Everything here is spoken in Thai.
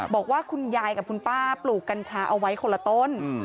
บอกว่าคุณยายกับคุณป้าปลูกกัญชาเอาไว้คนละต้น